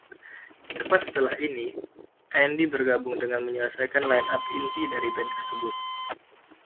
Tepat setelah ini, Andy bergabung dan menyelesaikan lineup inti dari band tersebut.